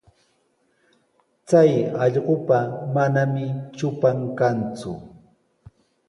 Chay allqupa manami trupan kanku.